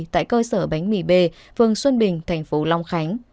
tại cơ sở bánh mì b phường xuân bình tp long khánh